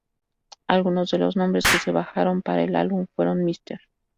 Algunos de los nombres que se barajaron para el álbum fueron: "Mr.